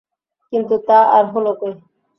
কিন্তু তা আর হলো কই!